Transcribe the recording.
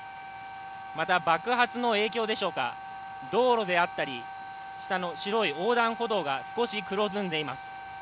また、爆発の影響でしょうか、道路であったり、下の白い横断歩道が少し黒ずんでいます。